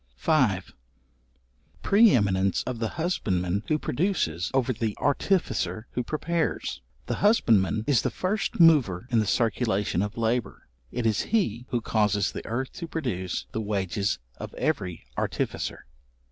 §5. Pre eminence of the husbandman who produces, over the artificer who prepares. The husbandman is the first mover in the circulation of labour: it is he who causes the earth to produce the wages of every artificer.